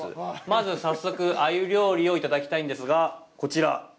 まず早速、鮎料理をいただきたいんですが、こちら。